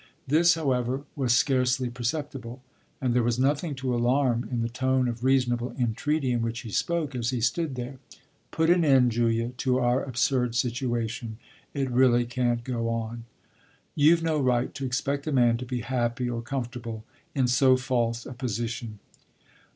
This, however, was scarcely perceptible, and there was nothing to alarm in the tone of reasonable entreaty in which he spoke as he stood there. "Put an end, Julia, to our absurd situation it really can't go on. You've no right to expect a man to be happy or comfortable in so false a position.